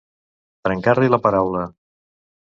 Trencar-li la paraula.